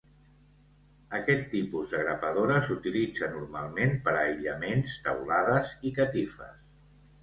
Aquest tipus de grapadora s'utilitza normalment per a aïllaments, teulades i catifes.